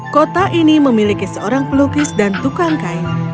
kota ini memiliki seorang pelukis dan tukang kain